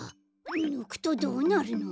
ぬくとどうなるの？